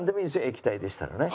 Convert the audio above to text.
液体でしたらね。